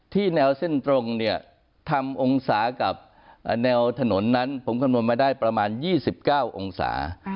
แนวเส้นตรงเนี่ยทำองศากับแนวถนนนั้นผมคำนวณมาได้ประมาณ๒๙องศา